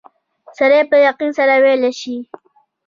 سړی په یقین سره ویلای شي.